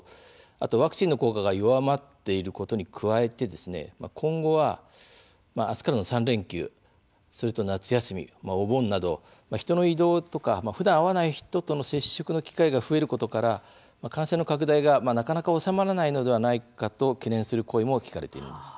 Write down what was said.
あとワクチンの効果が弱まっていることに加えて今後は、あすからの３連休それと夏休み、お盆など人の移動とかふだん会わない人との接触の機会が増えることから感染の拡大がなかなか収まらないのではないかと懸念する声も聞かれているんです。